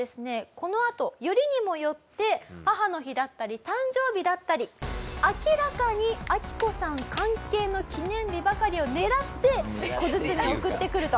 このあとよりにもよって母の日だったり誕生日だったり明らかにアキコさん関係の記念日ばかりを狙って小包を送ってくると。